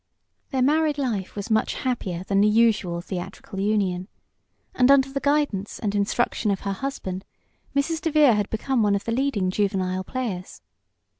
Their married life was much happier than the usual theatrical union, and under the guidance and instruction of her husband Mrs. DeVere had become one of the leading juvenile players.